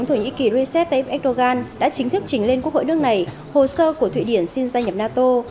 ủy ban đã chính thức trình lên quốc hội nước này hồ sơ của thụy điển xin gia nhập nato